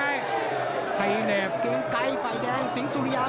เกียงไก่ฝ่ายแดงสิงสุริยา